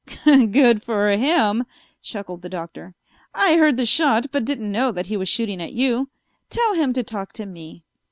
"Good for him," chuckled the Doctor. "I heard the shot, but didn't know that he was shooting at you. Tell him to talk to me."